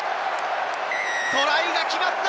トライが決まった！